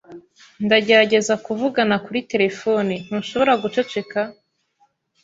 Ndagerageza kuvugana kuri terefone. Ntushobora guceceka?